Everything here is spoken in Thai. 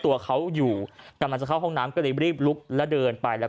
ตัวเขาอยู่กำลังจะเข้าห้องน้ำก็เลยรีบลุกแล้วเดินไปแล้ว